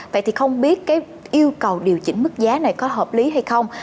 vậy thì không biết cái yêu cầu điều chỉnh mức giá này có hợp lý hay không